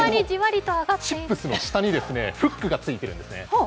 チップスの下にフックが付いているんですね。